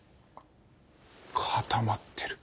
固まってる。